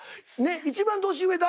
一番年上誰？